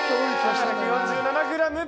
３４７ｇ！